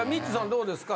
どうですか？